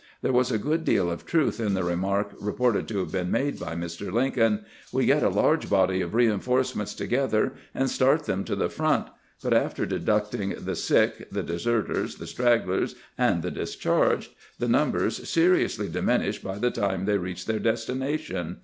There was a good deal of truth in the remark reported to have been made by Mr. Lincoln :" We get a large body of reinforcements together, and start them to the front ; but after deducting the sick, the deserters, the stragglers, and the discharged, the numbers seriously diminish by the time they reach their destination.